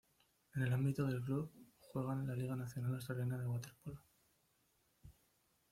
En el ámbito del club, juega en la Liga Nacional Australiana de Waterpolo.